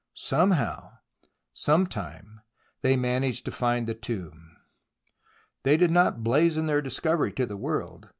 Some how, sometime, they managed to find the tomb. They did not blazon their discovery to the world.